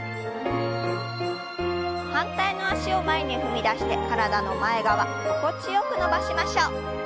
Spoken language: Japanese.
反対の脚を前に踏み出して体の前側心地よく伸ばしましょう。